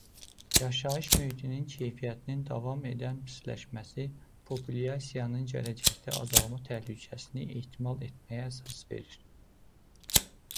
Yaşayış mühitinin keyfiyyətinin davam edən pisləşməsi populyasiyanın gələcəkdə azalma təhlükəsini ehtimal etməyə əsas verir.